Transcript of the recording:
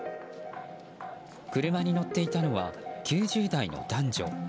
車に乗っていたのは９０代の男女。